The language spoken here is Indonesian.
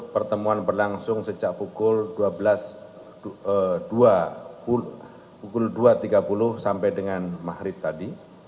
pertemuan berlangsung sejak pukul dua tiga puluh sampai dengan mahrib tadi